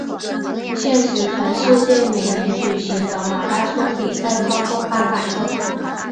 现时全世界每年举行的马拉松比赛超过八百个。